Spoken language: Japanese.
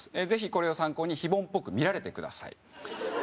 是非これを参考に非凡っぽく見られてください